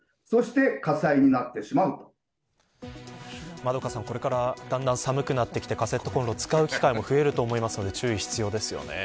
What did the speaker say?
円香さん、これからだんだん寒くなってきてカセットこんろを使う機会が増えると思うので注意が必要ですよね。